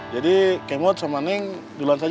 jadi kemot sama neng duluan saja ya